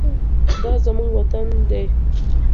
دا زموږ وطن دی.